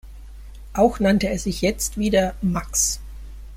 Auch nannte er sich jetzt wieder „Max“.